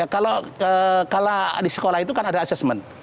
kalau di sekolah itu kan ada assessment